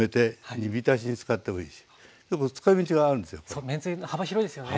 そうめんつゆ幅広いですよね。